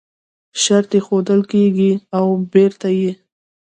شرط ایښودل کېږي او پرته یې